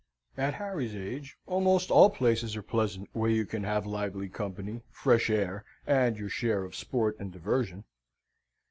At Harry's age almost all places are pleasant, where you can have lively company, fresh air, and your share of sport and diversion.